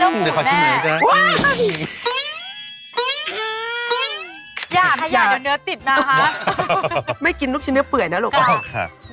ไม่กินมีชิ้นเนื้อเปื่อยนะหลวง